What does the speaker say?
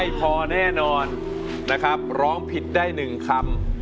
พอแน่นอนนะครับร้องผิดได้๑คำ